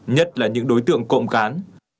nhất là những đối tượng cộng cán